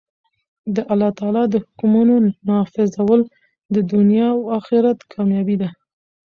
د الله تعالی د حکمونو نافذول د دؤنيا او آخرت کاميابي ده.